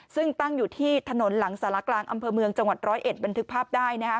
ซึ่งตั้งอยู่ที่ถนนหลังสารกลางอำเภอเมืองจังหวัดร้อยเอ็ดบันทึกภาพได้นะคะ